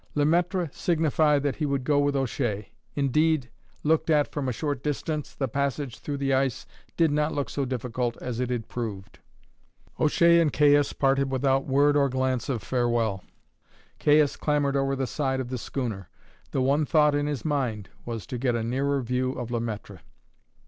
Le Maître signified that he would go with O'Shea. Indeed, looked at from a short distance, the passage through the ice did not look so difficult as it had proved. O'Shea and Caius parted without word or glance of farewell. Caius clambered over the side of the schooner; the one thought in his mind was to get a nearer view of Le Maître.